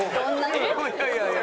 いやいやいや。